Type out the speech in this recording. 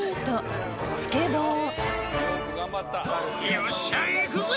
「よっしゃ行くぜ！」